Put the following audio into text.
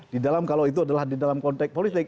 di dalam kalau itu adalah di dalam konteks politik